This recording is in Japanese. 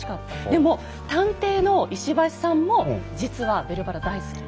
でも探偵の石橋さんも実は「ベルばら」大好き。